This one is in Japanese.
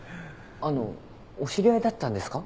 あのお知り合いだったんですか？